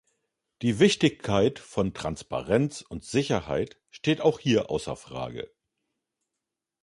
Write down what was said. Die Wichtigkeit von Transparenz und Sicherheit steht auch hier außer Frage.